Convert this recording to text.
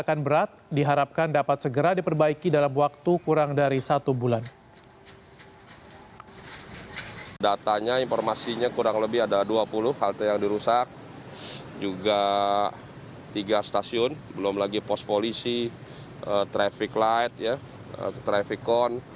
kerusakan berat diharapkan dapat segera diperbaiki dalam waktu kurang dari satu bulan